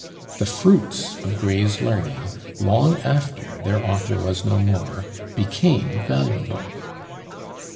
The fruits of Gray's learning, long after their author was no more, became valuable!